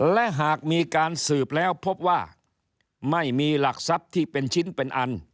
และหากมีการสืบแล้วพบว่าไม่มีหลักทรัพย์ที่เป็นชิ้นเป็นอัน